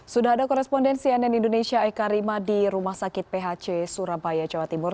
sudah ada korespondensi nn indonesia eka rima di rumah sakit phc surabaya jawa timur